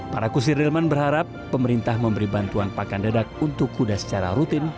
para kusir delman berharap pemerintah memberi bantuan pakan dedak untuk kuda secara rutin